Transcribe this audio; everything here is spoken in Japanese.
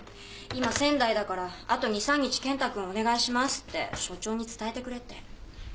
今仙台だからあと２３日健太君お願いしますって所長に伝えてくれって。